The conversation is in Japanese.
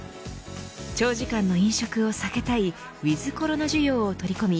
長時間の飲食を避けたいウィズコロナ需要を取り込み